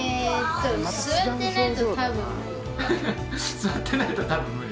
座ってないとたぶん無理？